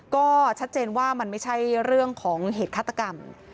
ก็ชัดเจนว่ามันไม่ใช่เรื่องของเหตุฆาตกรรม